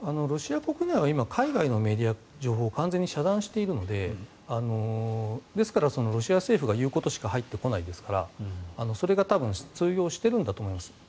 ロシアは海外のメディアの情報を完全に遮断しているのでロシア政府が言うことしか入ってこないですからそれが多分、通用してるんだと思います。